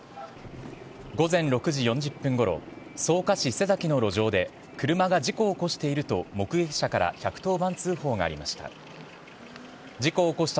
午前６時４０分ごろ草加市瀬崎の路上で車が事故を起こしていると目撃者から１１０番通報がありました。